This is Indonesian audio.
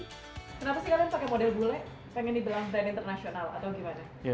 kenapa sih kalian pakai model bule pengen dibilang brand internasional atau gimana